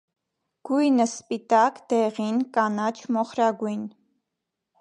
Գույնը՝ սպիտակ, դեղին, կանաչ, մոխրագույն։